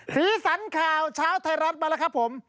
สีสันข่าวเช้าไทยรัฐมาแล้วครับผม